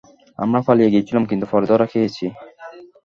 আমরা পালিয়ে গিয়েছিলাম, কিন্তু পরে ধরা খেয়েছি।